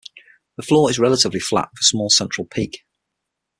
The floor is relatively flat, with a small central peak.